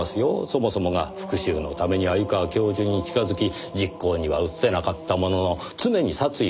そもそもが復讐のために鮎川教授に近づき実行には移せなかったものの常に殺意を抱いていたわけですから。